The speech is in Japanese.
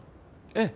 ええ。